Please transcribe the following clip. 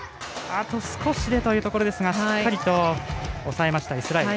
あと少しでというところですがしっかりと抑えましたイスラエル。